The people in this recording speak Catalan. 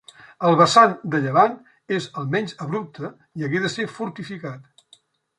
El vessant de llevant és el menys abrupte i hagué de ser fortificat.